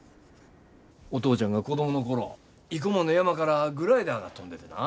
お父ちゃんが子供の頃生駒の山からグライダーが飛んでてな。